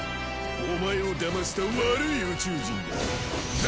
お前をだました悪い宇宙人だ。